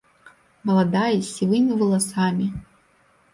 Маладая з сівымі валасамі.